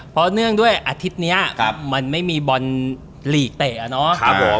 เพราะเนื่องด้วยอาทิตย์นี้พี่ยังไม่ยอม